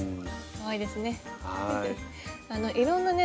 かわいいですね。